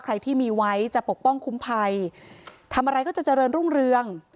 ใครที่มีไว้จะปกป้องคุ้มภัยทำอะไรก็จะเจริญรุ่งเรือง